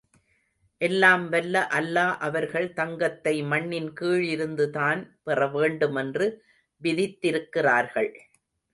எல்லாம்வல்ல அல்லா அவர்கள் தங்கத்தை மண்ணின் கீழிருந்துதான் பெற வேண்டுமென்று விதித்திருக்கிறார்கள்.